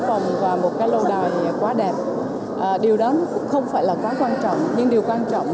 vòng và một cái lâu đài quá đẹp điều đó cũng không phải là quá quan trọng nhưng điều quan trọng